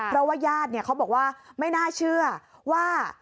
เพราะว่าญาติเขาบอกว่าไม่น่าเชื่อว่า